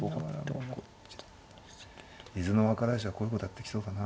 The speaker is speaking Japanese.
伊豆の若大将はこういうことやってきそうだな。